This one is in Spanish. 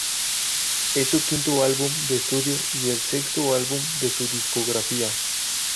Es su quinto álbum de estudio y el sexto álbum de su discografía.